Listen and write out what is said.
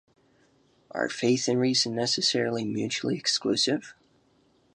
Are faith and reason necessarily mutually exclusive?